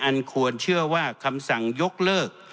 อันควรเชื่อว่าคำสั่งยกเลิก